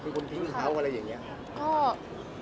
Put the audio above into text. เป็นคนพิ่งเขาอะไรอย่างนี้